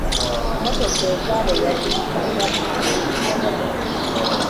Mmotoka ezaabwe yaziyisangamu amaaso.